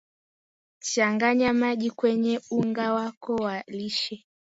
Changanya maji kwenye unga wako wa lishe